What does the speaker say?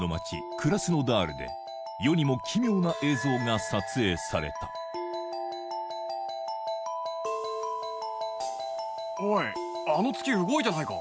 クラスノダールで世にも奇妙な映像が撮影されたおいあの月動いてないか？